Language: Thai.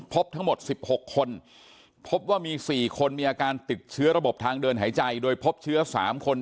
พบทั้งหมด๑๖คนพบว่ามี๔คนมีอาการติดเชื้อระบบทางเดินหายใจโดยพบเชื้อ๓คน